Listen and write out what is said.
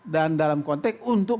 dan dalam konteks untuk